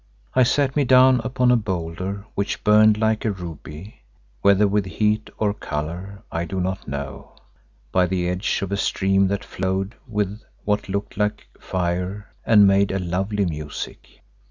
I sat me down upon a boulder which burned like a ruby, whether with heat or colour I do not know, by the edge of a stream that flowed with what looked like fire and made a lovely music.